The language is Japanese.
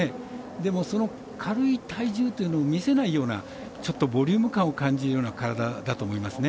でも、その軽い体重というのを見せないようなちょっとボリューム感を感じるような体だと思いますね。